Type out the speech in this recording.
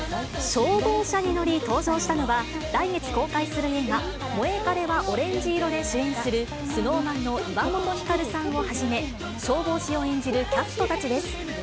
消防車に乗り登場したのは、来月公開する映画、モエカレはオレンジ色で主演する、ＳｎｏｗＭａｎの岩本照さんをはじめ、消防士を演じるキャストたちです。